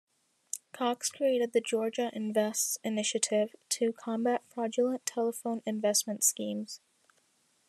Cox created the Georgia Invests initiative to combat fraudulent telephone investment schemes.